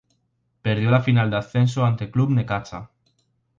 Perdió la final de ascenso ante Club Necaxa.